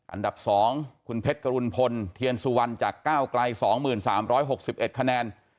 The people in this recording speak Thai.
อันดับ๒คุณเพชรกรุณพลเทียนสุวรรณจากก้าวไกล๒๓๖๑คะแนน